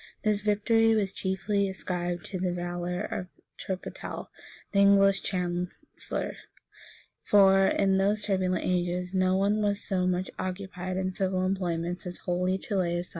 This victory was chiefly ascribed to the valor of Turketul, the English chancellor; for, in those turbulent ages, no one was so much occupied in civil employments as wholly to lay aside the military character.